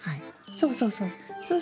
そうそうそう。